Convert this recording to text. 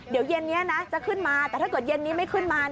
เดี๋ยวเย็นนี้นะจะขึ้นมาแต่ถ้าเกิดเย็นนี้ไม่ขึ้นมา